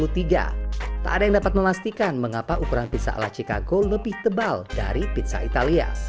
tak ada yang dapat memastikan mengapa ukuran pizza ala chicago lebih tebal dari pizza italia